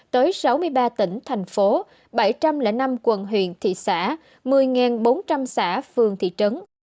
tới sáu mươi ba tỉnh thành phố bảy trăm linh năm quận huyện thị xã một mươi bốn trăm linh xã phường thị trấn